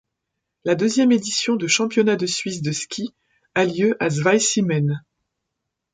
La deuxième édition du Championnat de Suisse de ski a lieu à Zweisimmen.